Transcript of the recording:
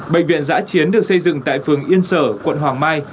bệnh viện giã chiến được xây dựng tại phường yên sở quận hoàng mai